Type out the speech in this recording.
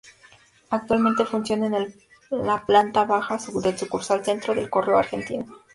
Actualmente funciona en la planta baja la sucursal "Centro" del Correo Argentino.